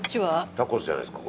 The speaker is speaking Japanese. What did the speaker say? タコスじゃないですか？